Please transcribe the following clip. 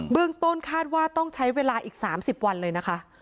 เรื่องต้นคาดว่าต้องใช้เวลาอีก๓๐วันเลยนะคะ